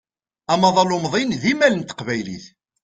Amaḍal umḍin d imal n teqbaylit.